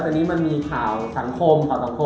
แต่อันนี้มันมีข่าวสังคม